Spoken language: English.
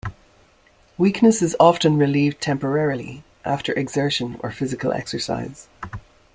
Weakness is often relieved temporarily after exertion or physical exercise.